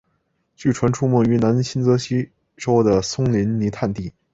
据传出没于南新泽西州的松林泥炭地。